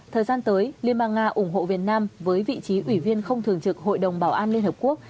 thời gian tới liên bang nga ủng hộ việt nam với vị trí ủy viên không thường trực hội đồng bảo an liên hợp quốc